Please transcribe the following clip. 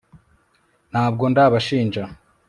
ntabwo ndabashinja